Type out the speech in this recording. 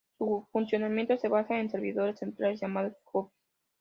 Su funcionamiento se basa en servidores centrales llamados hubs.